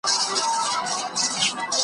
د پړي حرکت دروي